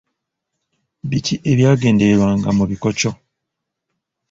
Biki ebyagendererwanga mu bikokyo?